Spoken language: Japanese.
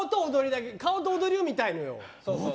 顔と踊りを見たいのよ。